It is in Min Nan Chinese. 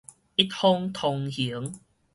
一方通行